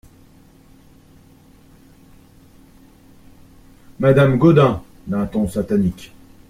Madame Gaudin , d'un ton satanique.